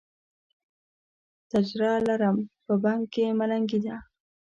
تجره لرم، په بنګ کې ملنګي ده